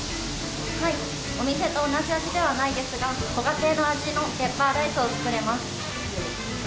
はい、お店と同じ味ではないですが、ご家庭の味のペッパーライスを作れます。